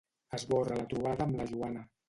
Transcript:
Esborra la trobada amb la Joana.